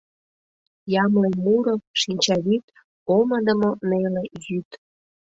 Ямле муро, шинчавӱд, Омыдымо неле йӱд…